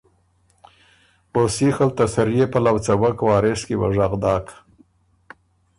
او سیخ ال ته سريې پلؤ څوک وارث کی وه ژغ داک